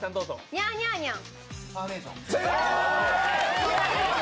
ニャーニャーニャン。